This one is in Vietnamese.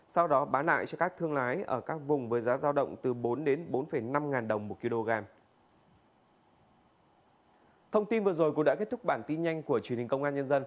sau đó bán lại cho các thương lái ở các vùng với giá giao động từ bốn đến bốn năm ngàn đồng một kg